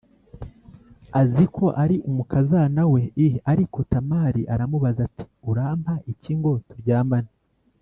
Azi ko ari umukazana we i ariko tamari aramubaza ati urampa iki ngo turyamane